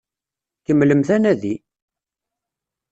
Kemmlemt anadi!